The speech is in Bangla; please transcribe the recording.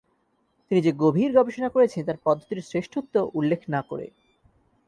তিনি যে গভীর গবেষণা করেছেন তার পদ্ধতির শ্রেষ্ঠত্ব উল্লেখ না করে।